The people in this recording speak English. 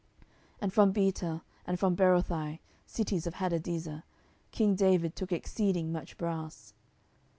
10:008:008 And from Betah, and from Berothai, cities of Hadadezer, king David took exceeding much brass.